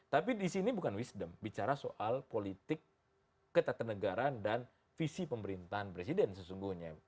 tapi di sini bukan wisdom bicara soal politik ketatanegaraan dan visi pemerintahan presiden sesungguhnya